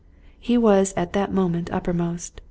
He was at that moment uppermost.